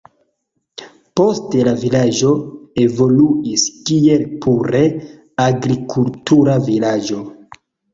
Poste la vilaĝo evoluis kiel pure agrikultura vilaĝo.